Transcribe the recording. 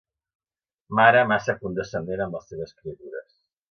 Mare massa condescendent amb les seves criatures.